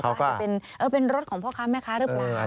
อาจจะเป็นรถของพ่อค้าแม่ค้าหรือเปล่า